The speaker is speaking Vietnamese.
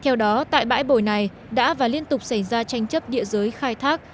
theo đó tại bãi bồi này đã và liên tục xảy ra tranh chấp địa giới khai thác